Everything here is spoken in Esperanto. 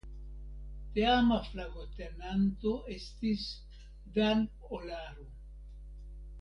Teama flagotenanto estis "Dan Olaru".